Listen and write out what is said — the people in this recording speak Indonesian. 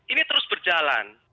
ini terus berjalan